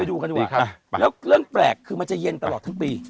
ดูกันดูครับแล้วเรื่องแปลกคือมันจะเย็นตลอดทั้งปี